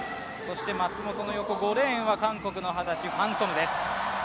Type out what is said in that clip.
松元の横５レーンは韓国の二十歳、ファン・ソヌです。